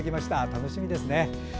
楽しみですね。